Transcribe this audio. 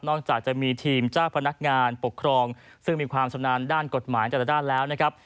จากจะมีทีมเจ้าพนักงานปกครองซึ่งมีความชำนาญด้านกฎหมายแต่ละด้านแล้วนะครับ